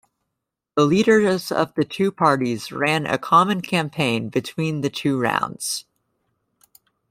The leaders of the two parties ran a common campaign between the two rounds.